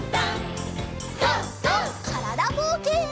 からだぼうけん。